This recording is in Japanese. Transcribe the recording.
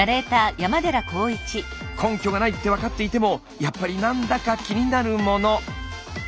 根拠がないって分かっていてもやっぱり何だか気になるもの。